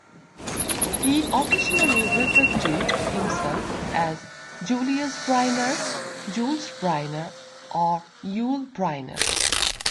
He occasionally referred to himself as Julius Briner, Jules Bryner or Youl Bryner.